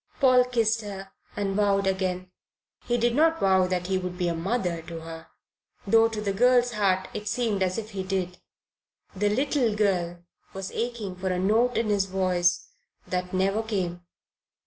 Paul kissed her and vowed again. He did not vow that he would be a mother to her, though to the girl's heart it seemed as if he did. The little girl was aching for a note in his voice that never came.